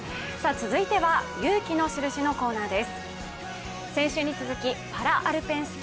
続いては、「勇気のシルシ」のコーナーです。